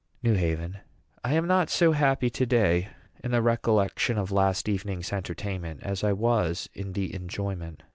NEW HAVEN. I am not so happy to day in the recollection of last evening's entertainment as I was in the enjoyment.